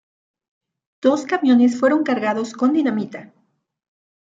Dos camiones fueron cargados con dinamita.